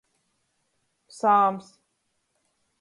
Sāms.